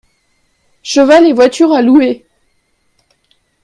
Cheval et voiture à louer.